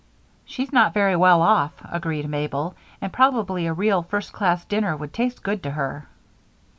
"She's not very well off," agreed Mabel, "and probably a real, first class dinner would taste good to her."